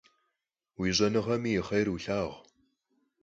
Уи щӏэныгъэми и хъер улъагъу!